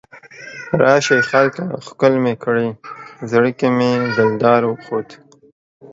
راشئ خلکه ښکل مې کړئ، زړه کې مې دلدار اوخوت